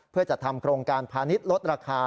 เพื่อจัดทำโครงการพาณิชย์ลดราคา